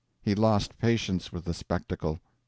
He lost patience with the spectacle.